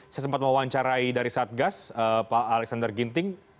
saya sempat mewawancarai dari satgas pak alexander ginting